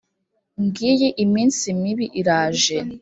ngiyi iminsi mibi iraje